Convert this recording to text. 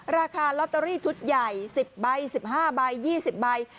ราคาลอตเตอรี่ชุดใหญ่๑๐ใบ๑๕ใบ๒๐ใบ